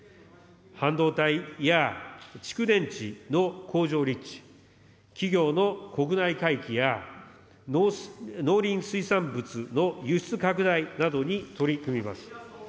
半導体や蓄電池の工場立地、企業の国内回帰や、農林水産物の輸出拡大などに取り組みます。